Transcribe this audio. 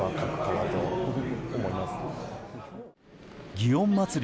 祇園祭り